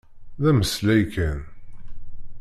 D ameslay kan.